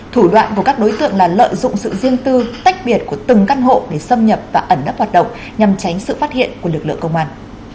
thủ đoạn của các đối tượng là lợi dụng sự riêng tư tách biệt của từng căn hộ để xâm nhập và ẩn nấp hoạt động nhằm tránh sự phát hiện của lực lượng công an